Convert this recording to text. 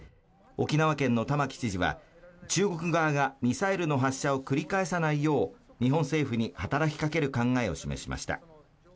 沖縄県の玉城知事は中国側がミサイルの発射を繰り返さないよう日本政府に働きかける考えを示しました